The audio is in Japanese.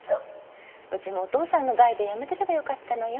うちもお父さんの代でやめてればよかったのよ。